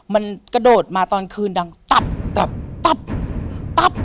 มันกระโดดมาตอนคืนดังตับตับตับตับ